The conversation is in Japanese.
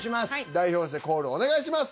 代表してコールお願いします。